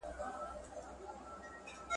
څنګه قبض مخنیوی کېږي؟